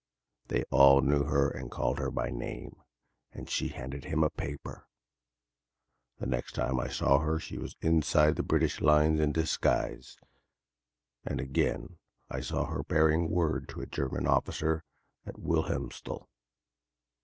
They all knew her and called her by name and she handed him a paper. The next time I saw her she was inside the British lines in disguise, and again I saw her bearing word to a German officer at Wilhelmstal.